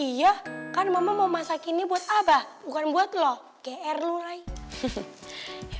iya kan mama mau masakinnya buat abah bukan buat lo ke r lu raya